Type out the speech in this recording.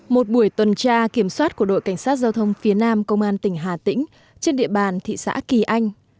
một buổi tuần tra kiểm soát của đội cảnh sát giao thông phía nam công an tỉnh hà tĩnh trên địa bàn thị xã kỳ anh